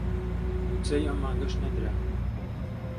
مووچەی ئەم مانگەش نەدرا